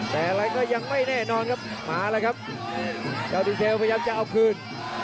แต่อะไรก็ยังไม่แน่นอนครับมาแล้วครับเจ้าดีเทลพยายามจะเอาคืน